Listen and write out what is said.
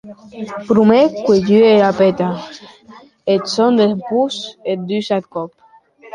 Prumèr cuelhie ua peta eth solet, dempús es dus ath còp.